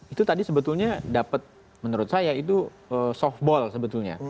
itu tadi sebetulnya dapat menurut saya itu softball sebetulnya